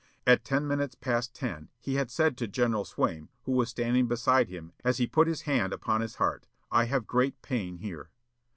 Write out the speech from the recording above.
At ten minutes past ten he had said to General Swaim, who was standing beside him, as he put his hand upon his heart, "I have great pain here."